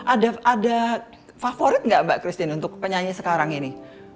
ada favorit nggak mbak christine untuk penyanyi sekarang ini